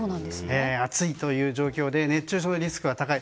暑いという状況で熱中症のリスクは高い。